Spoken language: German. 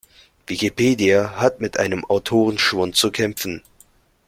Wikipedia hat mit einem Autorenschwund zu kämpfen.